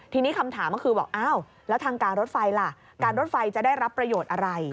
ทีนี้คำถามก็คือบอกอ้าวแล้วทางการรถไฟล่ะการรถไฟจะได้รับประโยชน์อะไร